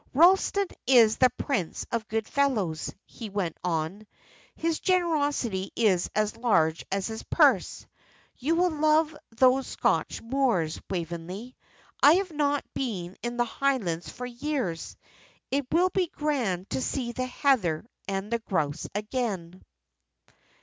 "Ralston is the prince of good fellows," he went on. "His generosity is as large as his purse. You will love those Scotch moors, Waveney. I have not been in the Highlands for years; it will be grand to see the heather and the grouse again."